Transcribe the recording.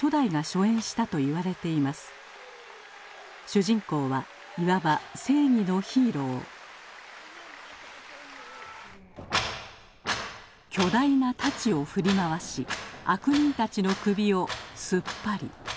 主人公はいわば正義のヒーロー巨大な太刀を振り回し悪人たちの首をスッパリ。